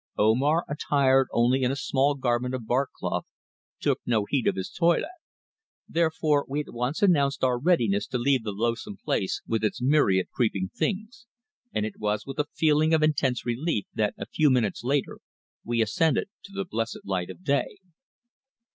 Omar, attired only in a small garment of bark cloth, took no heed of his toilet, therefore we at once announced our readiness to leave the loathsome place with its myriad creeping things, and it was with a feeling of intense relief that a few minutes later we ascended to the blessed light of day.